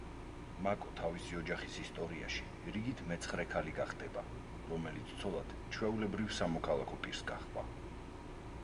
მაკო თავისი ოჯახის ისტორიაში რიგით მეცხრე ქალი გახდება, რომელიც ცოლად ჩვეულებრივ სამოქალაქო პირს გაჰყვა.